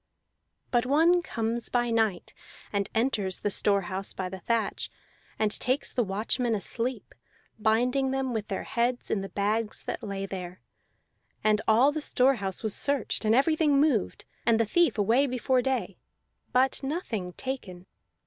But one comes by night, and enters the store house by the thatch, and takes the watchmen asleep, binding them with their heads in the bags that lay there. And all the store house was searched and everything moved, and the thief away before day, but nothing taken.